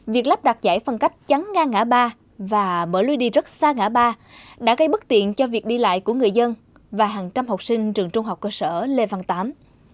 việc lắp đặt giải phân cách chắn ngang ngã ba và mở lối đi rất xa ngã ba đã gây bất tiện cho việc đi lại của người dân và hàng trăm học sinh trường trung học cơ sở lê văn tám